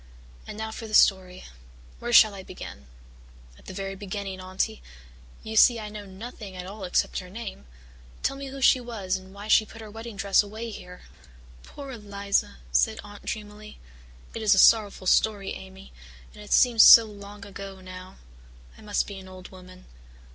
"And now for the story. Where shall I begin?" "At the very beginning, Aunty. You see I know nothing at all except her name. Tell me who she was and why she put her wedding dress away here." "Poor Eliza!" said Aunt dreamily. "It is a sorrowful story, Amy, and it seems so long ago now. I must be an old woman.